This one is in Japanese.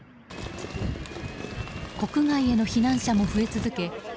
国外への避難者も増え続け